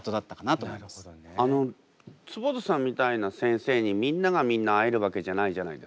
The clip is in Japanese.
あの坪田さんみたいな先生にみんながみんな会えるわけじゃないじゃないですか。